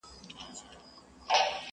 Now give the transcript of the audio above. جهاني به وي د شپو له کیسو تللی؛